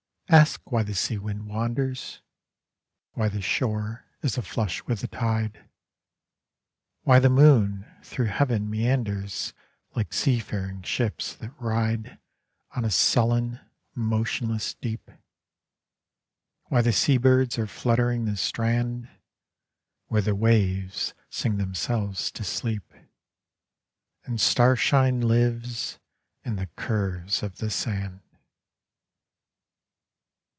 Ask why the seawind wanders, Why the shore is aflush with the tide, Why the moon through heaven meanders Like seafaring ships that ride On a sullen, motionless deep; Why the seabirds are fluttering the strand Where the waves sing themselves to sleep And starshine lives in the curves of the sand!